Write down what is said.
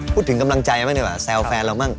พูดถึงกำลังใจไหมเนี่ยแซวแฟนเราบ้าง